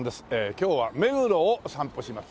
今日は目黒を散歩します。